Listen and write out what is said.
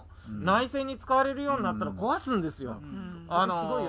内戦に使われるようになったら壊すんですよ。